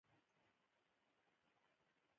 دوهم مطلب : سیاست پیژندنه